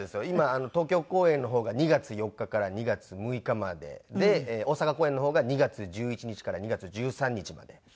今東京公演の方が２月４日から２月６日までで大阪公演の方が２月１１日から２月１３日まで。